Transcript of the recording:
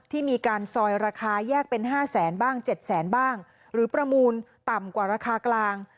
ที่มีการซอยราคาแยกเป็น๕แสนบ้าง๗แสนบ้างหรือประมูลต่ำกว่าราคากลาง